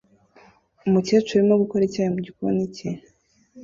Umukecuru urimo gukora icyayi mugikoni cye